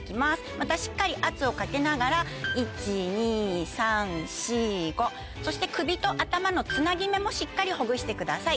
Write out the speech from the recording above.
またしっかり圧をかけながら１・２・３・４・５。そして首と頭のつなぎ目もしっかりほぐしてください。